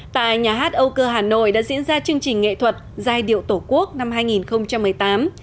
tại nhà hát âu cơ hà nội đã diễn ra chương trình nghệ thuật giai điệu tổ quốc năm hai nghìn một mươi tám